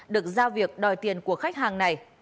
được giao việc đòi tiền của khách hàng này